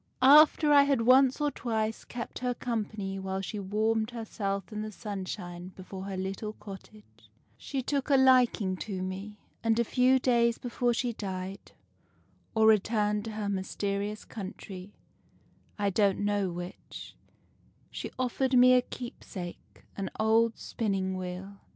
After I had once or twice kept her company while she warmed her self in the sunshine before her little cottage, she took a liking *3 H THE FAIRY SPINNING WHEEL to me, and a few days before she died — or returned to her mysterious country, I don't know which — she offered me a keepsake, an old Spinning Wheel.